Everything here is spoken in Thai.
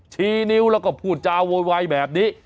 ชี้นิ้วแล้วก็พูดจาโวยวายแบบนี้